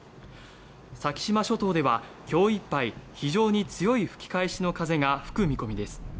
先島諸島では今日いっぱい非常に強い吹き返しの風が吹く見込みです。